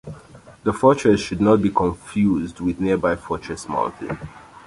The Fortress should not be confused with nearby Fortress Mountain.